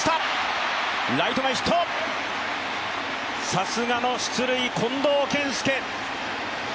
さすがの出塁、近藤健介。